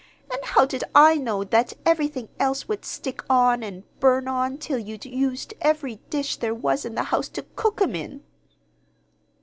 And how did I know that everything else would stick on and burn on till you'd used every dish there was in the house to cook 'em in?"